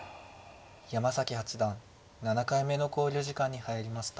山崎八段７回目の考慮時間に入りました。